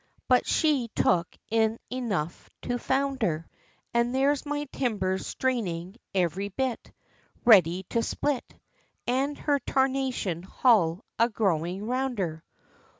but she took in enough to founder! And there's my timbers straining every bit, Ready to split, And her tarnation hull a growing rounder!